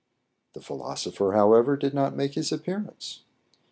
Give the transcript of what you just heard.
The philosopher,* however, did not make his appearance.